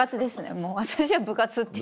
もう私は部活って呼んで。